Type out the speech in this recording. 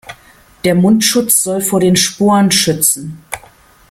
Der Mundschutz soll vor den Sporen schützen.